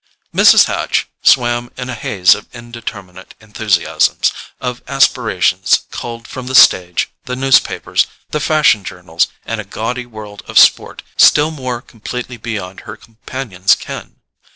Mrs. Hatch swam in a haze of indeterminate enthusiasms, of aspirations culled from the stage, the newspapers, the fashion journals, and a gaudy world of sport still more completely beyond her companion's ken.